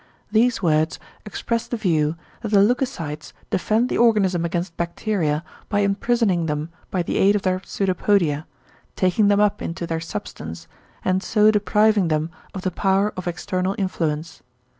These words express the view, that the leucocytes defend the organism against bacteria by imprisoning them by the aid of their pseudopodia, taking them up into their substance, and so depriving them of the power of external influence.